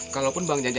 kalaupun bang jaja